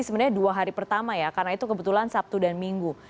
sebenarnya dua hari pertama ya karena itu kebetulan sabtu dan minggu